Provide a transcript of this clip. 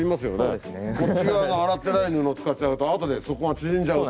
こっち側の洗ってない布を使っちゃうとあとでそこが縮んじゃうと。